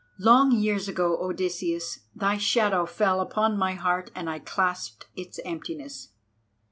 Long years ago, Odysseus, thy shadow fell upon my heart and I clasped its emptiness.